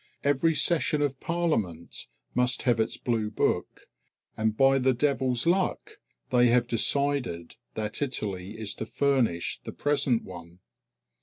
Every session of Parliament must have its blue book; and by the devil's luck they have decided that Italy is to furnish the present one.